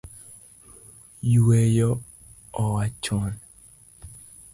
Yueyo oa chon